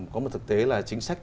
có một thực tế là chính sách